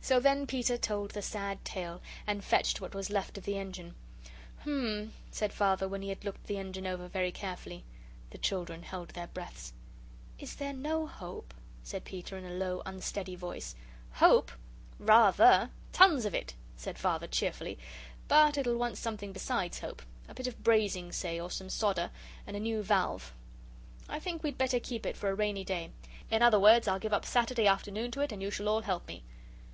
So then Peter told the sad tale, and fetched what was left of the Engine. "Hum," said Father, when he had looked the Engine over very carefully. The children held their breaths. "Is there NO hope?" said Peter, in a low, unsteady voice. "Hope? Rather! Tons of it," said Father, cheerfully; "but it'll want something besides hope a bit of brazing say, or some solder, and a new valve. I think we'd better keep it for a rainy day. In other words, I'll give up Saturday afternoon to it, and you shall all help me."